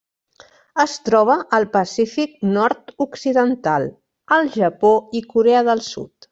Es troba al Pacífic nord-occidental: el Japó i Corea del Sud.